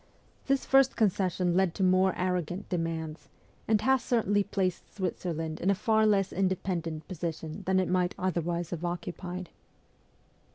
This first con cession led to more arrogant demands, and has certainly placed Switzerland in a far less independent position than it might otherwise have occupied.